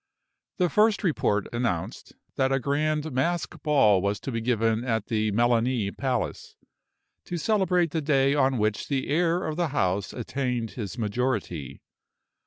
The first report announced that a grand masked ball was to be given at the Melani Palace, to celebrate the day on which the heir of the house attained his majority.